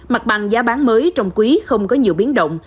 mặt bằng giá bán mới trong quý không có nhiều biến động